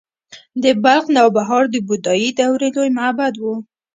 د بلخ نوبهار د بودايي دورې لوی معبد و